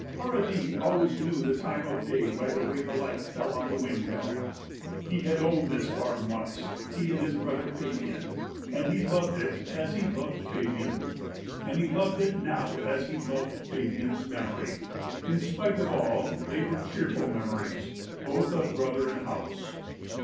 Paradis always knew the time of the day by the way the light fell on the windmill. He had owned this farm once, he and his brother Fabian, and he had loved 174 THE LANE THAT HAD NO TURNING it as he loved Fabian, and he loved it now as he loved Fabian's memory. In spite of all, they were cheerful memories, both of brother and house.